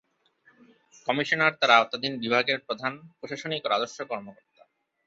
Commissioner তার আওতাধীন বিভাগের প্রধান প্রশাসনিক ও রাজস্ব কর্মকর্তা।